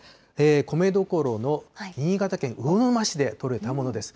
米どころの新潟県魚沼市で取れたものです。